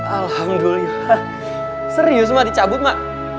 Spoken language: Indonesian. alhamdulillah serius ma dicabut ma